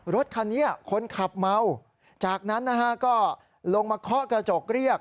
รถคันนี้คนขับเมาจากนั้นนะฮะก็ลงมาเคาะกระจกเรียก